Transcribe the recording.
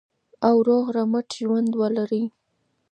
او روغ رمټ ژوند ولرئ.